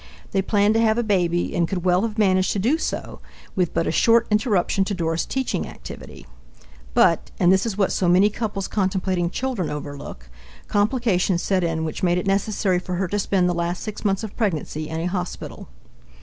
They planned to have a baby and could well have managed to do so with but a short interruption to Doris' teaching activity. But and this is what so many couples contemplating children overlook complications set in which made it necessary for her to spend the last six months of pregnancy in a hospital.